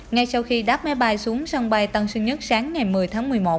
ngay sau khi đáp máy bay xuống sân bay tân sơn nhất sáng ngày một mươi tháng một mươi một